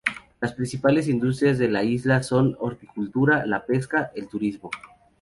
Las principales industrias de la isla son la horticultura, la pesca, el turismo.